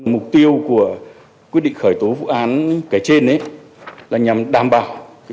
mục tiêu của quyết định khởi tố vụ án kể trên là nhằm đảm bảo